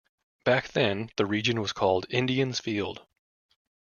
Back then, the region was called "Indians' Field".